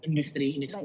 dan industri ini juga